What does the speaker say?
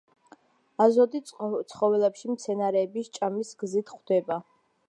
აზოტი ცხოველებში მცენარეების ჭამის გზით ხვდება.